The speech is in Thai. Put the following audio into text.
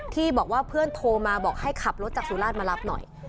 ที่บอกว่าเพื่อนโทรมาบอกให้ขับรถจากสุราชมารับหน่อย